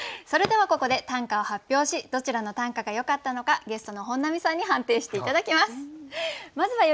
それではここで短歌を発表しどちらの短歌がよかったのかゲストの本並さんに判定して頂きます。